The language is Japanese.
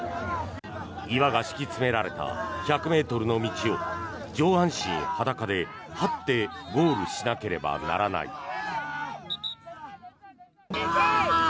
岩が敷き詰められた１００ｍの道を上半身裸で、はってゴールしなければならない。